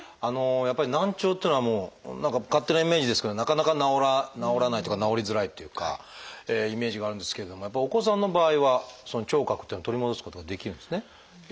やっぱり難聴っていうのはもう何か勝手なイメージですけどなかなか治らないっていうか治りづらいっていうかイメージがあるんですけれどやっぱりお子さんの場合は聴覚っていうのは取り戻すことができるんですね。